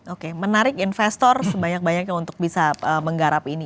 oke menarik investor sebanyak banyaknya untuk bisa menggarap ini